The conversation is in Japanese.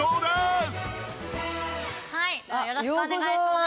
よろしくお願いします。